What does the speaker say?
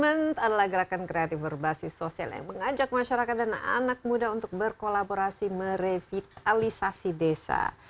momen adalah gerakan kreatif berbasis sosial yang mengajak masyarakat dan anak muda untuk berkolaborasi merevitalisasi desa